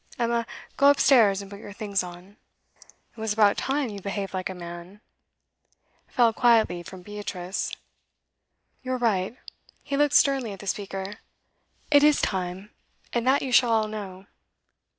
Emma, go upstairs and put your things on.' 'It was about time you behaved like a man,' fell quietly from Beatrice. 'You're right.' He looked sternly at the speaker. 'It is time, and that you shall all know.